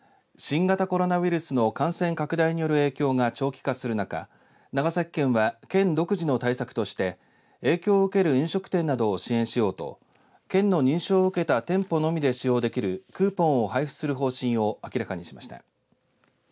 新型コロナウイルスの感染拡大による影響が長期化する中長崎県は県独自の対策として影響を受ける飲食店などを支援しようと県の認証を受けた店舗のみで使用できるクーポンを配布する方針を明らかにしました。